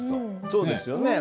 そうですよね。